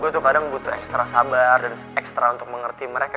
gue tuh kadang butuh ekstra sabar dan ekstra untuk mengerti mereka